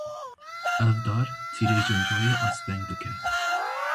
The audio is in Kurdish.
Ev dar tîrêjên royê asteng dike.